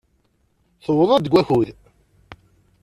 Tewweḍ-d deg wakud.